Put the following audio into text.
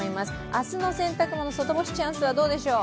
明日の洗濯物、外干しチャンスはどうでしょう？